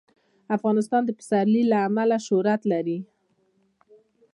افغانستان د پسرلی له امله شهرت لري.